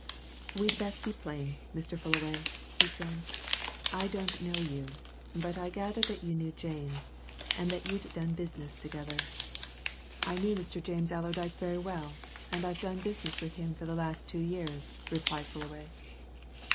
"We'd best be plain, Mr. Fullaway," he said. "I don't know you, but I gather that you knew James, and that you'd done business together." "I knew Mr. James Allerdyke very well, and I've done business with him for the last two years," replied Fullaway.